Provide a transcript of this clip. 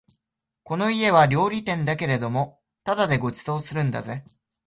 この家は料理店だけれどもただでご馳走するんだぜ